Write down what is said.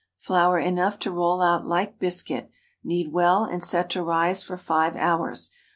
Flour enough to roll out like biscuit. Knead well, and set to rise for five hours.